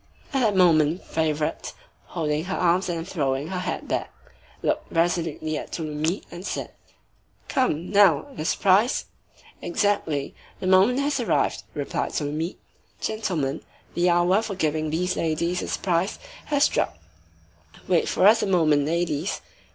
At that moment Favourite, folding her arms and throwing her head back, looked resolutely at Tholomyès and said:— "Come, now! the surprise?" "Exactly. The moment has arrived," replied Tholomyès. "Gentlemen, the hour for giving these ladies a surprise has struck. Wait for us a moment, ladies."